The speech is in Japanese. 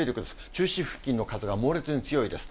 中心付近の風が猛烈に強いです。